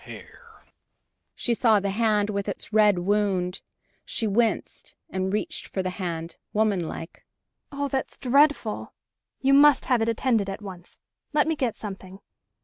She saw the hand with its red wound. She winced, and reached for the hand, womanlike. "Oh, that's dreadful. You must have it attended at once. Let me get something."